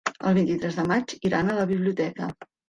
El vint-i-tres de maig iran a la biblioteca.